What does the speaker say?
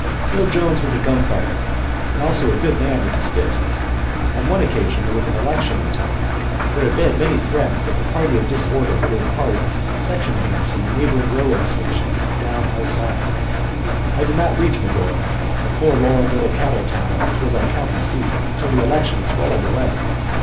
Bill Jones was a gun fighter and also a good man with his fists. On one occasion there was an election in town. There had been many threats that the party of disorder would import section hands from the neighboring railway stations to down our side. I did not reach Medora, the forlorn little cattle town which was our county seat, until the election was well under way.